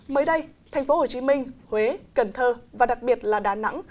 mới đây tp hcm huế cần thơ và đặc biệt là đà nẵng